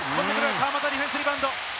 川真田、ディフェンスリバウンド。